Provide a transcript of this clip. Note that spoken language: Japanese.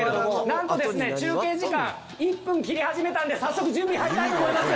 なんとですね中継時間１分切り始めたんで早速準備入りたいと思います！